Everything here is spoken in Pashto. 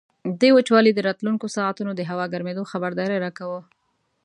دا وچوالی د راتلونکو ساعتونو د هوا ګرمېدو خبرداری راکاوه.